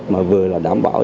mà vừa là đảm bảo